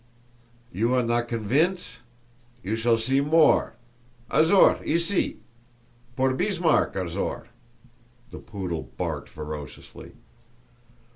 "You are not convince? You shall see more. Azor, ici! Pour Beesmarck, Azor!" (the poodle barked ferociously.)